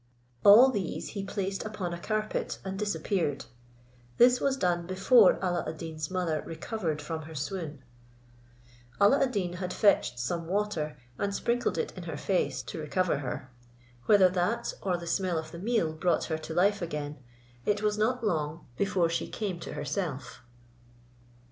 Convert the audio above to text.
All these he placed upon a carpet, and disappeared; this was done before Alla ad Deen's mother recovered from her swoon. Alla ad Deen had fetched some water, and sprinkled it in her face, to recover her: whether that or the smell of the meat brought her to life again, it was not long before she came to herself.